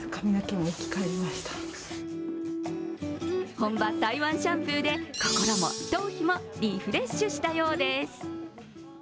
本場台湾シャンプーで心も頭皮もリフレッシュしたようです。